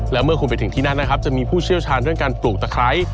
แล้วเมื่อคุณไปถึงที่นั่นนะครับจะมีผู้เชี่ยวชาญเรื่องการปลูกตะไคร้